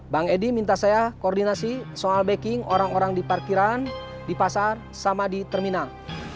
bang edi minta saya koordinasi soal backing orang orang di parkiran di pasar sama di terminal